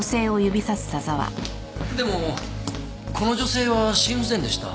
でもこの女性は心不全でした。